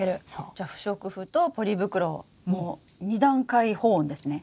じゃ不織布とポリ袋の２段階保温ですね。